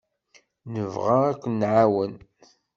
Nebɣa ad k-nɛawen.